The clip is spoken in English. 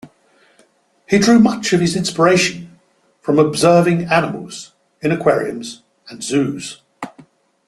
He drew much of his inspiration from observing animals in aquariums and zoos.